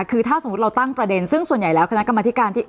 คือถ้าสมมุติเราตั้งประเด็นซึ่งส่วนใหญ่แล้วคณะกรรมธิการที่